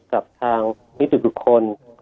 กับทางนิติบุคคล